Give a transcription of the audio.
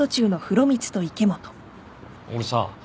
俺さ